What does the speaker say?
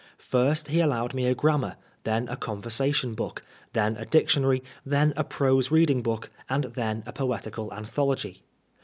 First he allowed me a Grammar, tiien a Conversation Book, then a Dictionary, then a Prose Reading Book, and then a Poetical Anthology.